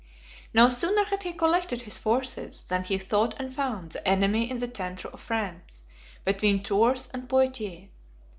No sooner had he collected his forces, than he sought and found the enemy in the centre of France, between Tours and Poitiers.